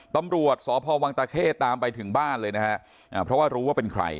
ตำรวจสพวงต่าเข้ตามไปถึงบ้านที่รู้ว่าเป็นใคร